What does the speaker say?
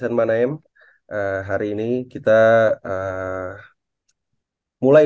semoga di tahun ini kita semakin